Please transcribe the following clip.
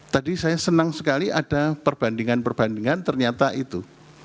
tadi saya senang sekali ada perbandingan perbandingan ternyata itu